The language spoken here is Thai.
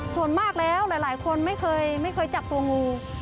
ส่วนมากแล้วหลายคนไม่เคยจับตัวงู